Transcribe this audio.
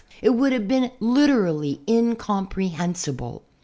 It would have been literally incomprehensible.